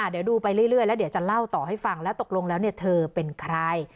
เดี๋ยวดูไปเรื่อยแล้วเดี๋ยวจะเล่าต่อให้ฟังแล้วตกลงแล้วเธอเป็นใคร